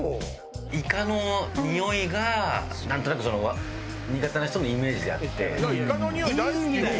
イカのにおいがなんとなく苦手な人のイメージあって。